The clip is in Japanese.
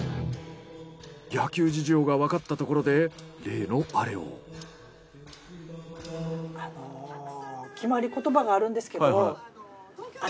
野球事情がわかったところで決まり言葉があるんですけど。